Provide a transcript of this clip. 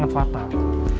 tapi penasaran gak sih yas